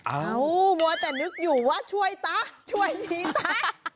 เอามัวแต่นึกอยู่ว่าช่วยตะช่วยชี้ต๊ะ